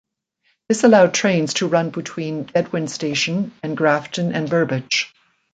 This allowed trains to run between Bedwyn station and Grafton and Burbage.